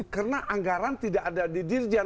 karena anggaran tidak ada di dirjan